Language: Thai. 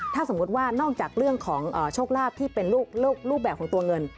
ถ้าสมมุติว่านอกจากเรื่องของโชคลาภที่เป็นรูปแบบของตัวเงิน